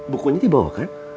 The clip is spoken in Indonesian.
bukunya di bawah kan